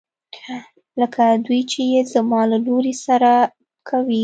لکه دوی چې يې زما له لور سره کوي.